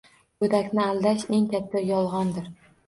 Go’dakni aldash eng katta yolg’ondir!